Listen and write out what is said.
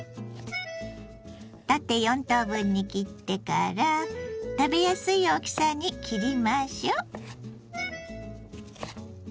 縦４等分に切ってから食べやすい大きさに切りましょう。